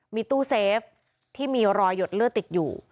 มีตู้เซฟที่มีรอยหยดเลือดติดอยู่